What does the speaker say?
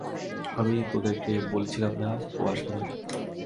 আমি তোদেরকে বলেছিলাম না, ও আসবে না?